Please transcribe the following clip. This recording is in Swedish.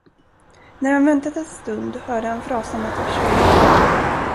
När han väntat en stund, hörde han frasandet av kjolar.